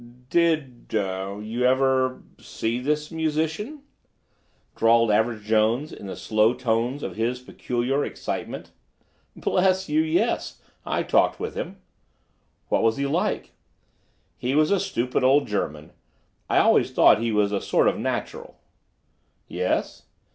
"Did—er—you ever—er—see this musician?" drawled Average Jones in the slow tones of his peculiar excitement. "Bless you, yes! Talked with him." "What was he like?" "He was a stupid old German. I always thought he was a sort of a natural." "Yes?"